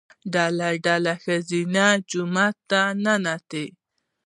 ډله ډله ښځینه جومات ته ننوتل.